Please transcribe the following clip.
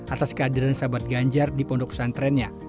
atas kehadiran sahabat ganjar di pondok pesantrennya